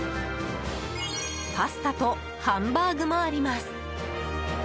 パスタとハンバーグもあります。